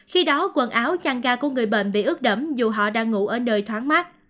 khi đó quần áo chăn ga của người bệnh bị ướt đẩm dù họ đang ngủ ở nơi thoáng mát